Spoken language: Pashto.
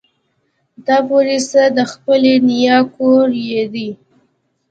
تا پورې څه د خپلې نيا کور يې دی.